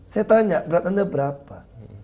saya tanya berat anda berapa